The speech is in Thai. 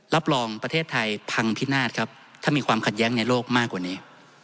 รับรองประเทศไทยพังพินาศครับถ้ามีความขัดแย้งในโลกมากกว่านี้